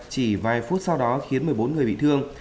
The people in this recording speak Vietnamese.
chỉ vài phút sau đó khiến một mươi bốn người bị thương